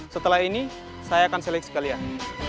setelah ini saya akan seleksi sekalian